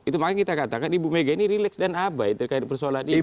itu makanya kita katakan ibu mega ini relax dan abai terkait persoalan ini